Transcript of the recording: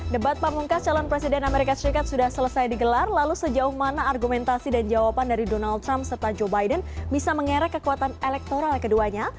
debat pamungkas calon presiden amerika serikat sudah selesai digelar lalu sejauh mana argumentasi dan jawaban dari donald trump serta joe biden bisa mengerek kekuatan elektoral keduanya